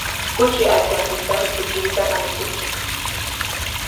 Kuchi aychantintami puchirutaqa mikunchik.